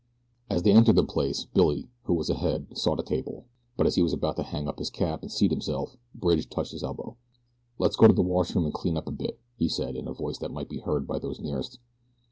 AS THEY entered the place Billy, who was ahead, sought a table; but as he was about to hang up his cap and seat himself Bridge touched his elbow. "Let's go to the washroom and clean up a bit," he said, in a voice that might be heard by those nearest.